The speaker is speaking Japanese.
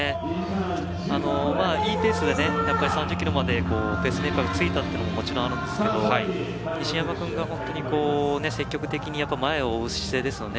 いいペースで３０ｋｍまでペースメーカーがついたというのもあるんですけど西山君が本当に積極的に前を追う姿勢ですよね。